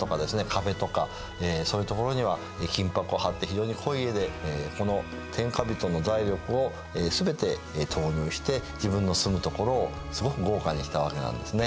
壁とかそういう所には金箔を貼って非常に濃い絵でこの天下人の財力を全て投入して自分の住む所をすごく豪華にしたわけなんですね。